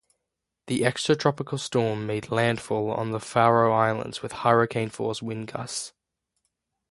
The extratropical storm made landfall on the Faroe Islands with hurricane-force wind gusts.